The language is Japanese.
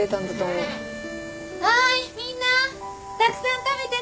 はいみんなたくさん食べてね。